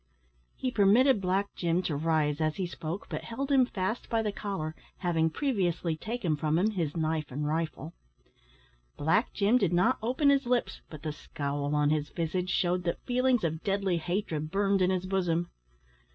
He permitted Black Jim to rise as he spoke, but held him fast by the collar, having previously taken from him his knife and rifle. Black Jim did not open his lips, but the scowl on his visage shewed that feelings of deadly hatred burned in his bosom.